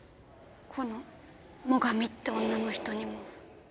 この最上って女の人にも。